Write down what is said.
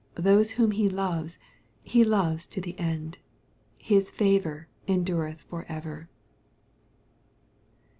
Those whom He loves, He loves to the end. His favor endureth for ever.